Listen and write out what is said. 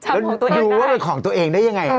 แล้วดูว่าเป็นของตัวเองได้ยังไง